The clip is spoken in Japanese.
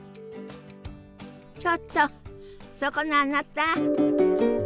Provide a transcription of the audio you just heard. ちょっとそこのあなた。